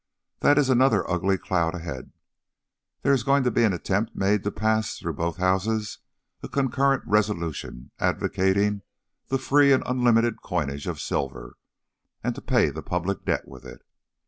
That is another ugly cloud ahead: there is going to be an attempt made to pass through both Houses a concurrent resolution advocating the free and unlimited coinage of silver and to pay the public debt with it.